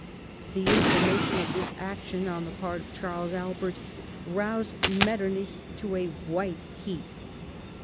The information of this action on the part of Charles Albert roused Metternich to a white heat.